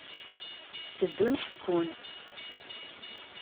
Tteddun ḥekkun.